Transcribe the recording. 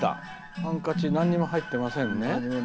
ハンカチ何にも入ってませんね。